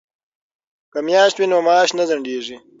که میاشت وي نو معاش نه ځنډیږي.